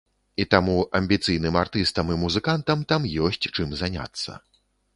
І таму амбіцыйным артыстам і музыкантам там ёсць чым заняцца.